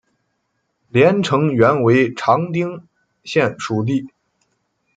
连城原为长汀县属地。